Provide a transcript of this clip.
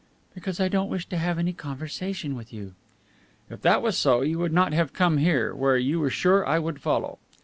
"Because I don't wish to have any conversation with you." "If that was so, you would not have come here, where you were sure I would follow."